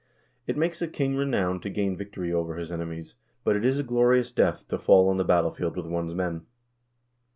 "It make I king renowned to gain victory over his enemies, but it is a glorious death to fall on the battlefield with one's men."